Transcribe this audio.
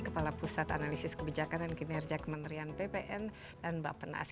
kepala pusat analisis kebijakan dan kinerja kementerian ppn bappenas